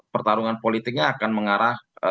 pertarungan politiknya akan mengarah